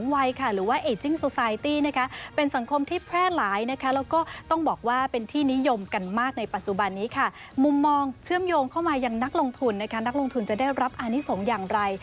มุมมองเชื่อมโยงเข้ามายังนักลงทุนนะคะนักลงทุนจะได้รับอานิสงฆ์อย่างไร